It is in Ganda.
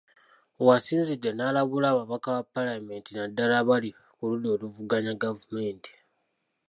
W’asinzidde n’alabula ababaka ba paalamenti naddala abali ku ludda oluvuganya gavumenti .